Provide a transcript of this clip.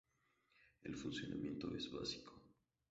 El funcionamiento es básico.